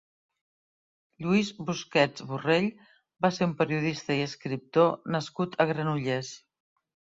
Lluís Busquets Borrell va ser un periodista i escriptor nascut a Granollers.